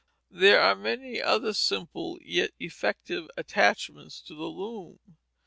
There were many other simple yet effective attachments to the loom.